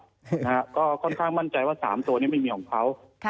นะฮะก็ค่อนข้างมั่นใจว่า๓ตัวนี้ไม่มีของเขา